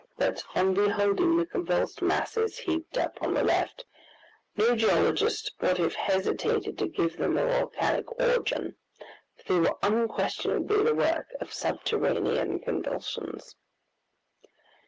But on beholding the convulsed masses heaped up on the left, no geologist would have hesitated to give them a volcanic origin, for they were unquestionably the work of subterranean convulsions.